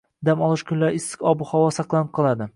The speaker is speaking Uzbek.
Dam olish kunlari issiq ob-havo saqlanib qoladi